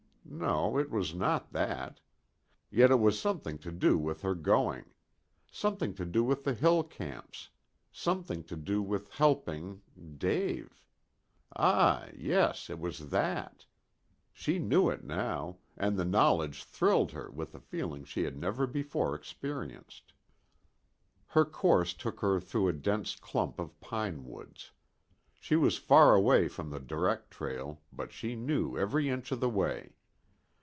No, it was not that. Yet it was something to do with her going. Something to do with the hill camps; something to do with helping Dave ah! Yes, it was that. She knew it now, and the knowledge thrilled her with a feeling she had never before experienced. Her course took her through a dense clump of pine woods. She was far away from the direct trail, but she knew every inch of the way.